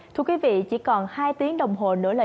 thưa quý vị chỉ còn hai tiếng đồng hồ nữa là trường quay hà nội